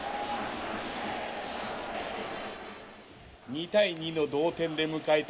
「２対２の同点で迎えた